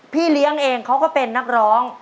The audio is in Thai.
พี่เลี้ยงเองเขาก็เป็นนักร้อง